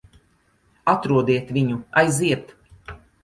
Atrodiet viņu. Aiziet!